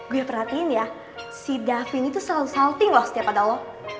gue perhatiin ya si davin itu selalu salting loh setiap ada lo